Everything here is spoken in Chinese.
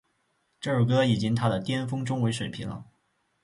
这首歌已经她的巅峰中文水平了